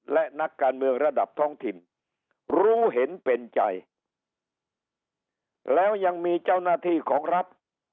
และนักการเมืองระดับท้องถิ่นรู้เห็นเป็นใจแล้วยังมีเจ้าหน้าที่ของรัฐ